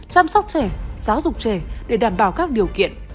chăm sóc trẻ giáo dục trẻ để đảm bảo các điều kiện